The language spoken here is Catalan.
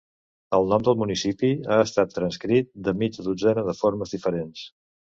El nom del municipi ha estat transcrit de mitja dotzena de formes diferents.